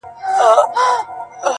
قصابان یې د لېوه له زامو ژغوري،